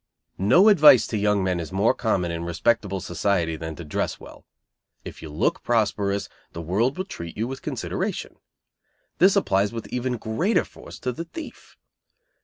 No advice to young men is more common in respectable society than to dress well. If you look prosperous the world will treat you with consideration. This applies with even greater force to the thief.